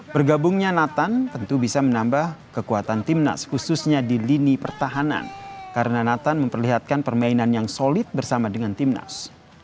bergabungnya nathan tentu bisa menambah kekuatan timnas khususnya di lini pertahanan karena nathan memperlihatkan permainan yang solid bersama dengan timnas